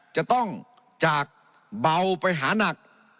จะต้องจากเบาไปหานัก